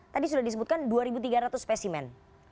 tadi sudah disebutkan dua tiga ratus spesimen